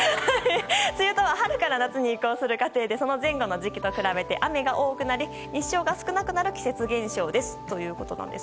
梅雨とは春から夏に移行する過程でその前後の時期と比べて雨が多くなり日照が少なくなる季節現象ですということです。